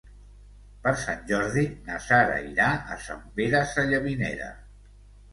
Per Sant Jordi na Sara irà a Sant Pere Sallavinera.